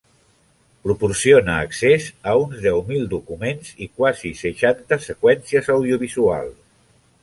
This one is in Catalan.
Proporciona accés a uns deu mil documents i quasi seixanta seqüències audiovisuals.